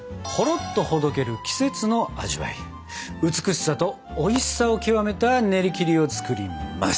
美しさとおいしさを極めたねりきりを作ります！